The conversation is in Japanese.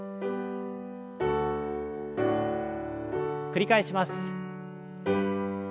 繰り返します。